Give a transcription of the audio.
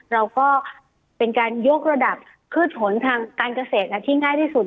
เราก็เป็นการยกระดับพืชผลทางการเกษตรที่ง่ายที่สุด